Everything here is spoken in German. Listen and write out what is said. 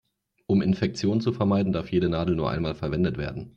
Um Infektionen zu vermeiden, darf jede Nadel nur einmal verwendet werden.